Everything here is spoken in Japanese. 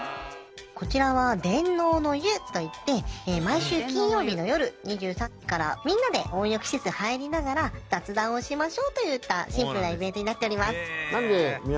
こちらは電脳の湯といって毎週金曜日の夜２３時からみんなで温浴施設入りながら雑談をしましょうといったシンプルなイベントになっております。